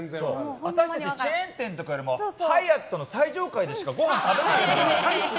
私たち、チェーン店とかよりもハイアットの最上階でしかごはん食べないから。